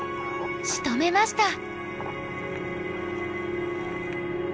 しとめました。